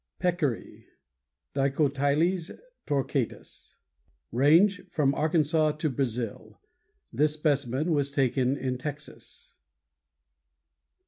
Page 130. =PECCARY.= Dicotyles torquatus. RANGE From Arkansas to Brazil. This specimen was taken in Texas.